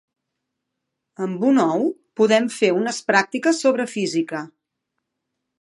Amb un ou podem fer unes pràctiques sobre física.